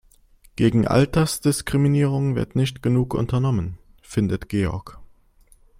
Gegen Altersdiskriminierung wird nicht genug unternommen, findet Georg.